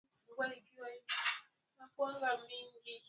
viongizi wa makundi rika wawasaidie vijana kupata elimu ya ukimwi